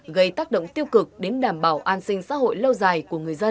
gây tác động tiêu cực đến đảm bảo an sinh xã hội lâu dài của người dân